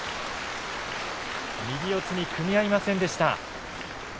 右四つに組み合いませんでした。